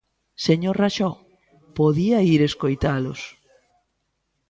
Señor Raxó, podía ir escoitalos.